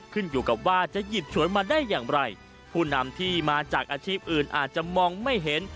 ขึ้นอยู่กับว่าจะหยิบฉวยมาได้อย่างไรผู้นำที่มาจากอาชีพอื่นอาจจะมองไม่เห็น